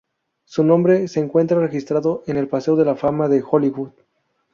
Su nombre se encuentra registrado en el Paseo de la Fama de Hollywood.